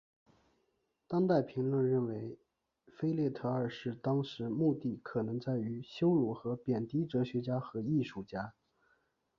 当代评论认为腓特烈二世当时目的可能在于羞辱和贬低哲学家和艺术家。